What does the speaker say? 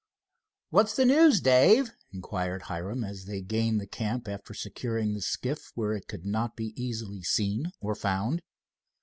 "What's the news, Dave?" inquired Hiram, as they gained the camp after securing the skiff where it could not be easily seen or found.